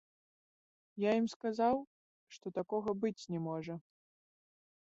Я ім сказаў, што такога быць не можа.